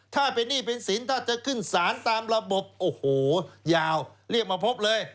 ถ้าเป็นหนี้เป็นสินถ้าจะขึ้นสารตามระบบโอ้โหยาวเรียกมาพบเลย